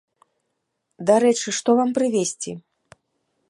Дарэчы што вам прывезці?